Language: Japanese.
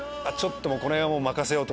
これは任せよう！